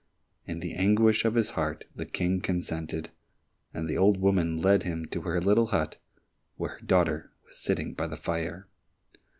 In the anguish of his heart the King consented, and the old woman led him to her little hut, where her daughter was sitting by the fire.